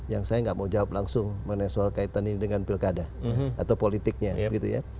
yang saya nggak mau jawab langsung mengenai soal kaitan ini dengan pilkada atau politiknya gitu ya